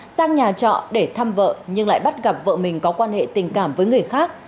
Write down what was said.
sang nhà trọ để thăm vợ nhưng lại bắt gặp vợ mình có quan hệ tình cảm với người khác